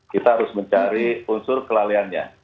kita harus mencari unsur kelalaiannya